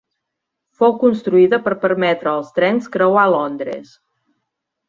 Fou construïda per permetre als trens creuar Londres.